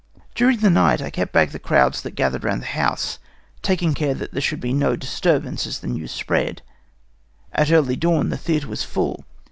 "During the night I kept back the crowds that gathered round the house, taking care that there should be no disturbance as the news spread. At early dawn the theatre was full.